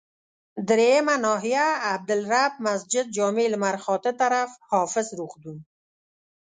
دریمه ناحيه، عبدالرب مسجدجامع لمرخاته طرف، حافظ روغتون.